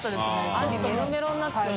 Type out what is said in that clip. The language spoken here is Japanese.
あんりメロメロになってたよね。